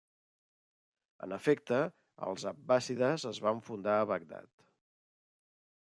En efecte, els abbàssides es van fundar a Bagdad.